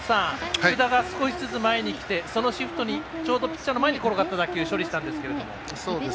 福田が少しずつ前に来てそのシフトにちょうどピッチャーの前に転がった打球を処理したんですけれども。